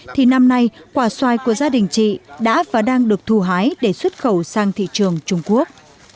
thì năm nay quả xoài của gia đình chị đã và đang được thu hái để xuất khẩu sang thị trường trung quốc